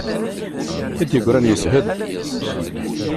I d-yegran yeshel.